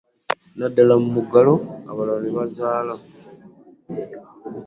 Naddala mu muggalo ate abalala ne bazaala.